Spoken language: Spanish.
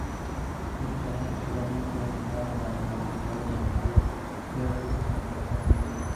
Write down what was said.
Dichos avances igualmente aumentaron la vulnerabilidad de baterías de artillería fijas a ataques enemigos.